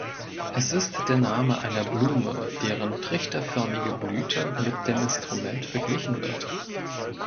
Es ist der Name einer Blume, deren trichterförmige Blüte mit dem Instrument verglichen wird.